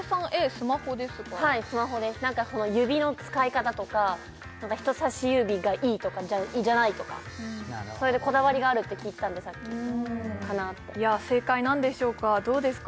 スマホですかはいスマホですなんか指の使い方とか人さし指がいいとかじゃないとかそれでこだわりがあるって聞いてたんでさっきかなって正解なんでしょうかどうですか？